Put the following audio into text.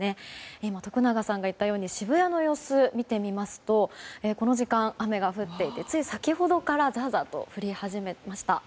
今、徳永さんが言ったように渋谷の様子を見てみますとこの時間、雨が降っていてつい先ほどからザーザーと降り始めました。